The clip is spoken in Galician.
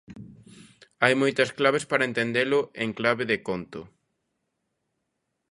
Hai moitas claves para entendelo en clave de conto.